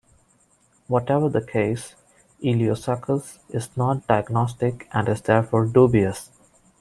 Whatever the case, "Iliosuchus" is not diagnostic and is therefore dubious.